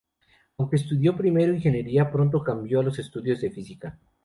Aunque estudió primero ingeniería, pronto cambió a los estudios de física.